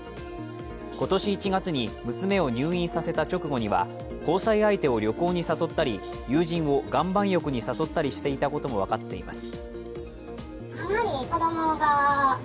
今年１月に娘を入院させた直後には交際相手を旅行に誘ったり、友人を岩盤浴に誘ったりしていたことも分かっています。